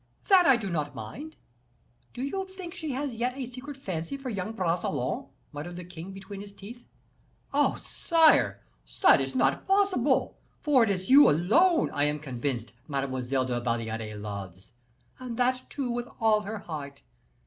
"That I do not mind. Do you think she has yet a secret fancy for young Bragelonne?" muttered the king between his teeth. "Oh! sire, that is not possible; for it is you alone, I am convinced, Mademoiselle de la Valliere loves, and that, too, with all her heart.